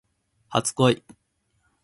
初恋